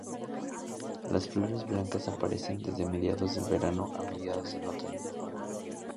Las flores blancas aparecen desde mediados del verano a mediados del otoño.